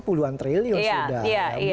puluhan triliun sudah